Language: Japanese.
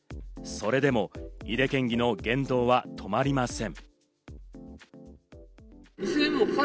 それでも、井手県議の言動は止まりません。